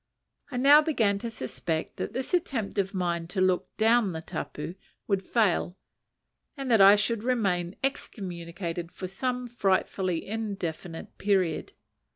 I now began to suspect that this attempt of mine to look down the tapu would fail, and that I should remain excommunicated for some frightfully indefinite period.